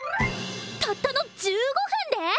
たったの１５分で！？